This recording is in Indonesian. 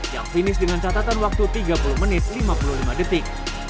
yang finish dengan catatan waktu tiga puluh menit lima puluh lima detik